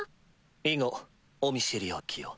以後お見知りおきを。